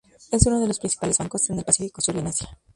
Es uno de los principales bancos en el Pacífico Sur y en Asia.